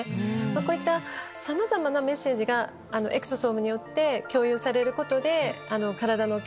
こういったさまざまなメッセージがエクソソームによって共有されることで。